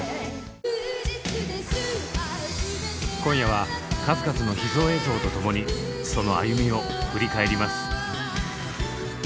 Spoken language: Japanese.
今夜は数々の秘蔵映像とともにその歩みを振り返ります。